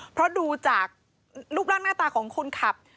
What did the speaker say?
เพราะดูจากรูปร่างหน้าตาของคนขับ